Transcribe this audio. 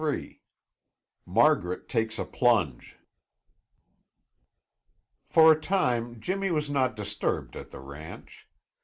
XXIII MARGARET TAKES A PLUNGE For a time Jimmy was not disturbed at the ranch.